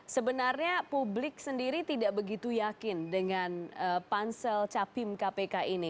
sebenarnya publik sendiri tidak begitu yakin dengan pansel capim kpk ini